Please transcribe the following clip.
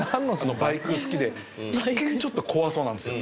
バイク好きで一見ちょっと怖そうなんですよ